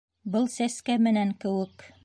Был сәскә менән кеүек.